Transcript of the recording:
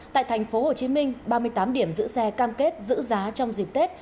tại tp hcm ba mươi tám điểm giữ xe cam kết giữ giá trong dịp tết